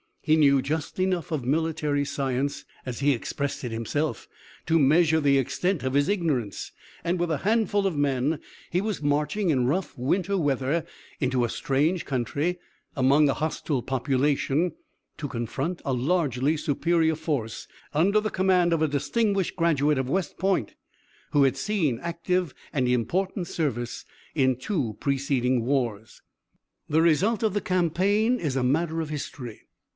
He knew just enough of military science, as he expressed it himself, to measure the extent of his ignorance, and with a handful of men he was marching, in rough winter weather, into a strange country, among a hostile population, to confront a largely superior force under the command of a distinguished graduate of West Point, who had seen active and important service in two preceding wars. "The result of the campaign is matter of history.